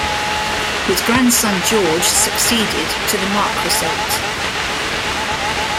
His grandson George succeeded to the marquessate.